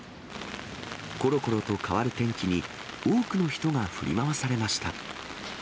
ころころと変わる天気に、多くの人が振り回されました。